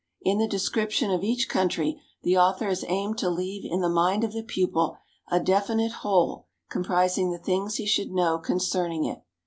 In the descrip tion of each country, the author has aimed to leave in the mind of the pupil a definite whole comprising the things he should know concerning it.